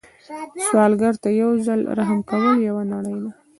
سوالګر ته یو ځل رحم کول یوه نړۍ ده